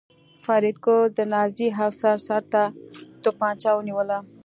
فریدګل د نازي افسر سر ته توپانچه ونیوله